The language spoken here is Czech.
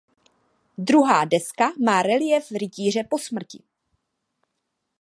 Druhá deska má reliéf rytíře po smrti.